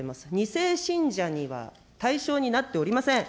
２世信者には対象になっておりません。